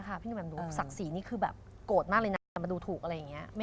ศักดิ์ศรีนี่คือแบบโกรธมากเลยนะมาดูถูกอะไรอย่างนี้